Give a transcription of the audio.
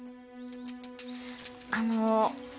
あの。